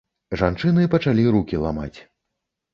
Жанчыны пачалі рукі ламаць.